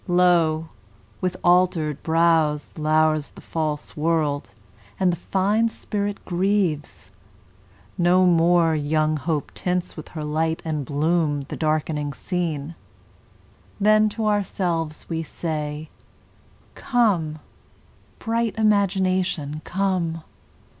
—Lo! with alter'd brows Lours the false World, and the fine Spirit grieves; No more young Hope tints with her light and bloom The darkening Scene.—Then to ourselves we say, Come, bright Imagination, come!